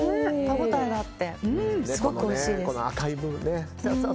歯応えがあってすごくおいしいです。